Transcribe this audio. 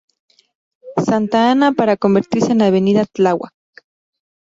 Santa Ana para convertirse en Avenida Tláhuac.